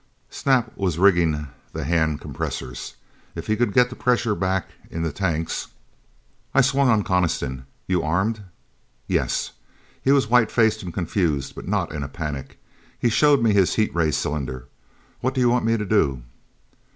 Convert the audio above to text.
Snap was rigging the hand compressors. If he could get the pressure back in the tanks.... I swung on Coniston. "You armed?" "Yes." He was white faced and confused, but not in a panic. He showed me his heat ray cylinder. "What do you want me to do?"